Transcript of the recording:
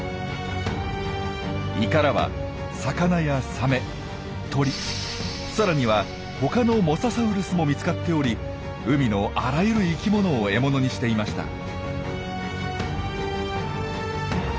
胃からは魚やサメ鳥さらには他のモササウルスも見つかっており海のあらゆる生きものを獲物にしていました。